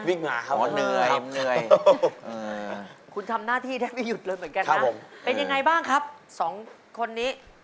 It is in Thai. เหนื่อยเหนื่อยคุณทำหน้าที่ได้ไม่หยุดเลยเหมือนกันนะเป็นยังไงบ้างครับสองคนนี้